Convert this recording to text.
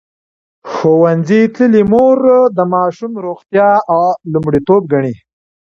ښوونځې تللې مور د ماشوم روغتیا لومړیتوب ګڼي.